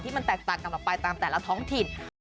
มันแตกต่างกันออกไปตามแต่ละท้องถิ่น